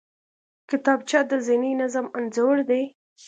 کتابچه د ذهني نظم انځور دی